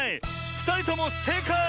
ふたりともせいかい！